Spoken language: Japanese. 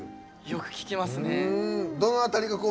よく聴きますね。